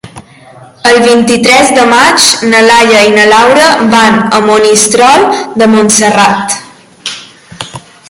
El vint-i-tres de maig na Laia i na Laura van a Monistrol de Montserrat.